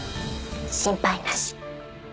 心配なし。